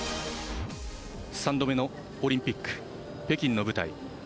３度目のオリンピック、北京の舞台。